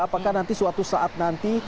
apakah nanti suatu saat nanti